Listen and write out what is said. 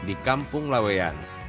di kampung laweyan